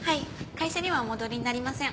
会社にはお戻りになりません。